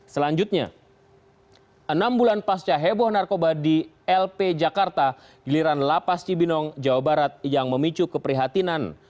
selanjutnya enam bulan pasca heboh narkoba di lp jakarta giliran lapas cibinong jawa barat yang memicu keprihatinan